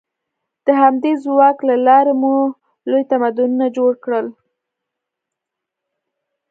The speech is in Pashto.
د همدې ځواک له لارې مو لوی تمدنونه جوړ کړل.